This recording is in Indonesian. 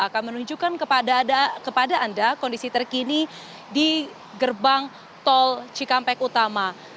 akan menunjukkan kepada anda kondisi terkini di gerbang tol cikampek utama